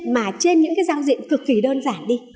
mà trên những cái giao diện cực kỳ đơn giản đi